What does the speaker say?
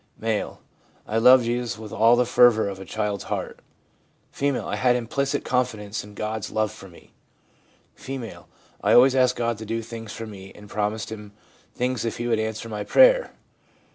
M. i I loved Jesus with all the fervour of a child's heart.' F. ' I had implicit confidence in God's love for me.' F. ' I always asked God to do things for me, and promised Him things if He would answer my prayer.'